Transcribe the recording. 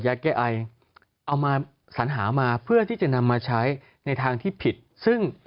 แก้ไอเอามาสัญหามาเพื่อที่จะนำมาใช้ในทางที่ผิดซึ่ง